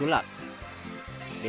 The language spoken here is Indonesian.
dan juga berkontrak ke badut sulat